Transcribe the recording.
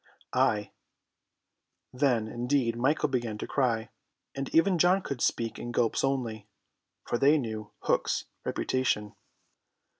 "Ay." Then indeed Michael began to cry, and even John could speak in gulps only, for they knew Hook's reputation.